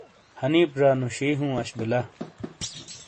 حنیپ ژا نوشیی ہوں اش بلا۔